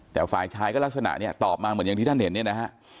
แต่ฝ่ายชายก็ลักษณะเนี่ยตอบมาเหมือนอย่างที่ท่านเห็นเนี่ยนะฮะ